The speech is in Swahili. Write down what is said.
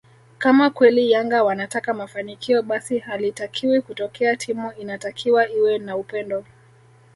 kama kweli Yanga wanataka mafanikio basi halitakiwi kutokea timu inatakiwa iwe na upendo